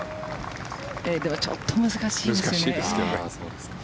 でもちょっと難しいですね。